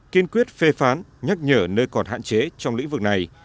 kiên quyết phê phán nhắc nhở nơi còn hạn chế trong lĩnh vực này